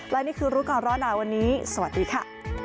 และนี่คือรู้ก่อนร้อนหนาวันนี้สวัสดีค่ะ